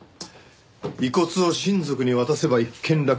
遺骨を親族に渡せば一件落着。